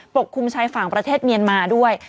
กลุ่มชายฝั่งประเทศเมียนมาด้วย